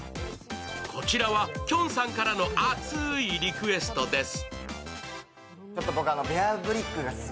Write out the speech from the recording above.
こちらはきょんさんからの熱いリクエストです